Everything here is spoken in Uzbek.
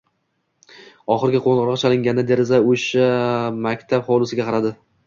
Oxirgi qo`ng`iroq chalinganda deraza osha maktab hovlisiga qaradi